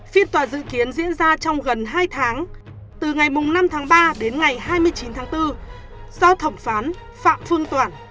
phiên tòa dự kiến diễn ra trong gần hai tháng từ ngày năm ba đến ngày hai mươi chín bốn do thổng phán phạm phương toản